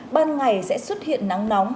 ban ngày sẽ xuất hiện nắng nóng